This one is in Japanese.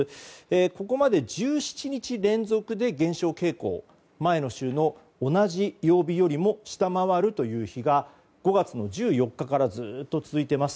ここまで１７日連続で減少傾向前の週の同じ曜日よりも下回るという日が５月の１４日からずっと続いています。